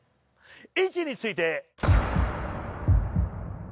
位置について。